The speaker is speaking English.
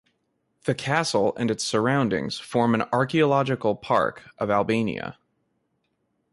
The castle and its surroundings form an Archaeological Park of Albania.